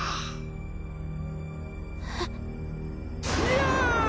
やあ！